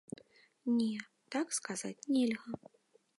Не, так сказаць нельга.